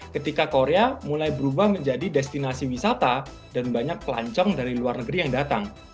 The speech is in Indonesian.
ketika korea mulai berubah menjadi destinasi wisata dan banyak pelancong dari luar negeri yang datang